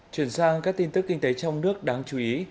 chuyển sang các tin tức kinh tế trong nước đáng chú ý